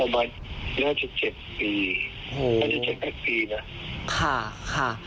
ประมาณ๗๘ปีนะค่ะค่ะ